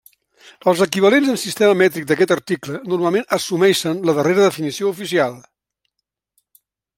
Els equivalents en sistema mètric d’aquest article normalment assumeixen la darrera definició oficial.